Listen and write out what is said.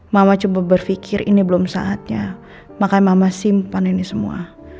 mama coba berpikir ini belum saatnya maka mama simpan ini semua